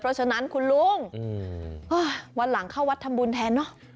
เพราะฉะนั้นคุณลุงวันหลังเข้าวัดทำบุญแทนเนอะ